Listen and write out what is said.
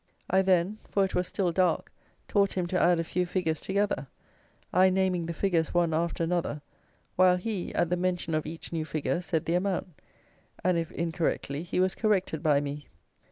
I then, for it was still dark, taught him to add a few figures together, I naming the figures one after another, while he, at the mention of each new figure said the amount, and if incorrectly, he was corrected by me.